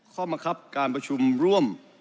ข้อมักครับการประชุมร่วม